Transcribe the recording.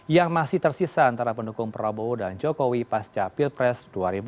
yang masih tersisa antara pendukung prabowo dan jokowi pasca pilpres dua ribu dua puluh